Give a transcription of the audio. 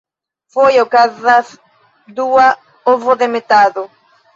Foje okazas dua ovodemetado.